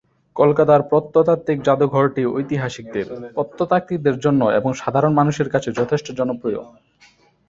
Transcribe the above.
কলকাতার প্রত্নতাত্ত্বিক জাদুঘরটি ঐতিহাসিকদের, প্রত্নতাত্ত্বিকদের জন্য এবং সাধারণ মানুষের কাছে যথেষ্ট জনপ্রীয়।